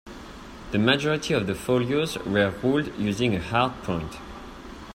The majority of the folios were ruled using a hard point.